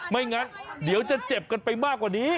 ไม่งั้นเดี๋ยวจะเจ็บกันไปมากกว่านี้